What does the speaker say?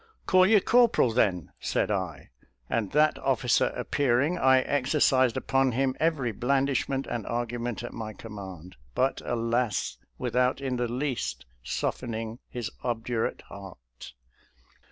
" Call your corporal, then," said I, and that officer appearing, I exercised upon him every blandishment and argument at my command; but alas, without in the least softening his ob durate heart.